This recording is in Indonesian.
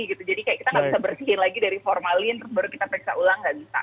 jadi kita tidak bisa bersihin lagi dari formalin baru kita periksa ulang tidak bisa